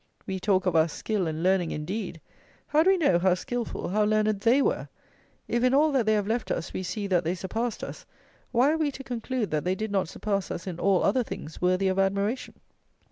We talk of our skill and learning, indeed! How do we know how skilful, how learned they were? If in all that they have left us we see that they surpassed us, why are we to conclude that they did not surpass us in all other things worthy of admiration?